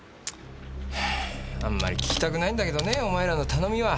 はぁあんまり聞きたくないんだけどねお前らの頼みは。